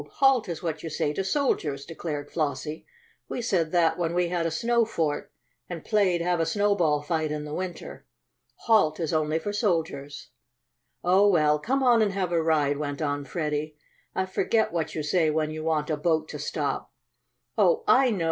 'Halt' is what you say to soldiers," declared Flossie. "We said that when we had a snow fort, and played have a snowball fight in the winter. 'Halt' is only for soldiers." "Oh, well, come on and have a ride," went on Freddie. "I forget what you say when you want a boat to stop." "Oh, I know!"